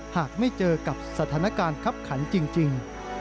หากไม่เจอกับสถานการณ์คับขันจริง